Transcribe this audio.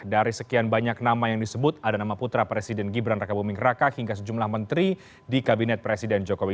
dari sekian banyak nama yang disebut ada nama putra presiden gibran raka buming raka hingga sejumlah menteri di kabinet presiden jokowi